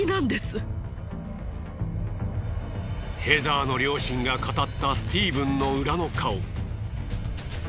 ヘザーの両親が語ったスティーブンの裏の顔。